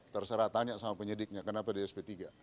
terserah tanya sama penyidiknya kenapa di sp tiga